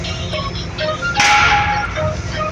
زه په خپل پانوس کي کړېدلی پر انګار ښه یم